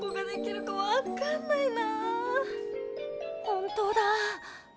本当だ。